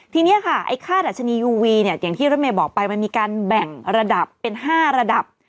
ทีนี้ค่าดัชนียูวีอย่างที่เริ่มเมย์บอกไปมันมีการแบ่งระดับเป็น๕ระดับ